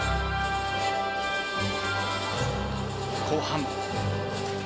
後半。